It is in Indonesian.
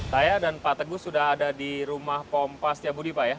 saya dan pak teguh sudah ada di rumah pompa setiabudi pak ya